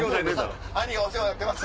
「兄がお世話になってます」。